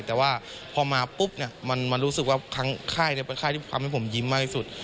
แต่ว่าพอมาปุ๊บมันรู้สึกว่าค่ายเป็นค่ายที่ทำให้ผมยิ้มมากที่สุด